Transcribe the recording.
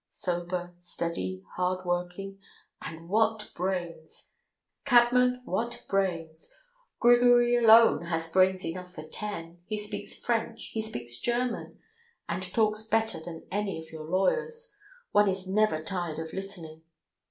Sober, steady, hard working, and what brains! Cabman, what brains! Grigory alone has brains enough for ten. He speaks French, he speaks German, and talks better than any of your lawyers one is never tired of listening.